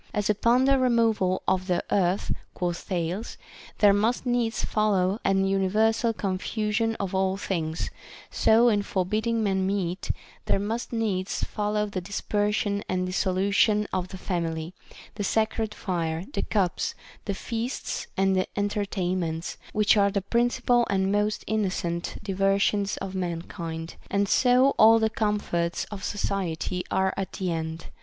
As upon the re moval of the earth, quoth Thales, there must needs follow an universal confusion of all things, so in forbidding men meat, there must needs follow the dispersion and dissolution of the family, the sacred fire, the cups, the feasts and enter tainments, which are the principal and most innocent diver sions of mankind ; and so all the comforts of society are at end.